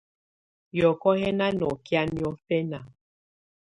Yɔ̀kɔ̀ yɛ̀ nà nɔkɛ̀á niɔ̀fɛna.